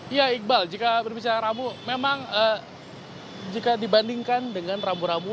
iya iqbal jika berbicara rambu memang jika dibandingkan dengan rambu rambu